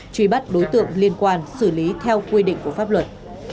truy bắt đối tượng liên quan xử lý theo quy định của pháp luật